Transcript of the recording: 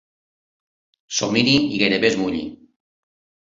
S'ho miri i gairebé es mulli.